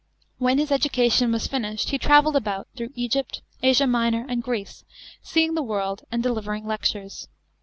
When his education was finished, he travell d about, through Egypt, Asia Minor, and Greece, seeing the world and delivering lectures.